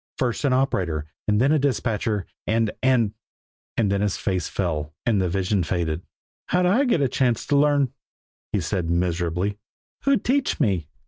First an operator, and then a dispatcher, and and and then his face fell, and the vision faded. "How'd I get a chance to learn?" he said miserably. "Who'd teach me?"